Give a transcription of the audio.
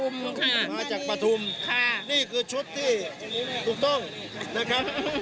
มาจากปฐุมค่ะนี่คือชุดที่ถูกต้องนะครับ